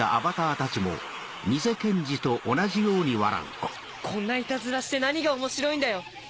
ここんなイタズラして何が面白いんだよ！